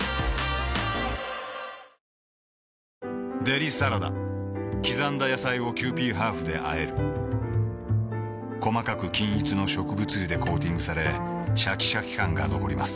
デリサラダ刻んだ野菜をキユーピーハーフであえる細かく均一の植物油でコーティングされシャキシャキ感が残ります